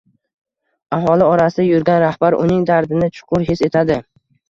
Aholi orasida yurgan rahbar uning dardini chuqur his etadi